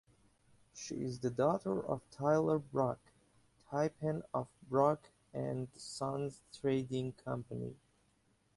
She is the daughter of Tyler Brock, Tai-pan of Brock and Sons Trading Company.